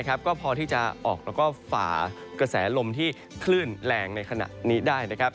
ก็พอที่จะออกแล้วก็ฝ่ากระแสลมที่คลื่นแรงในขณะนี้ได้